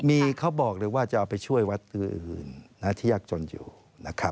มีเขาบอกเลยว่าจะเอาไปช่วยวัดอื่นที่ยากจนอยู่นะครับ